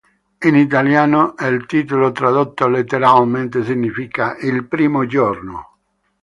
In italiano il titolo, tradotto letteralmente, significa "Il primo giorno".